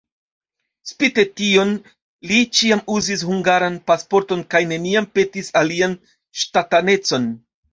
Spite tion li ĉiam uzis hungaran pasporton kaj neniam petis alian ŝtatanecon.